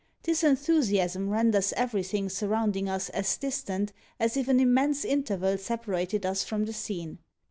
This enthusiasm renders everything surrounding us as distant as if an immense interval separated us from the scene.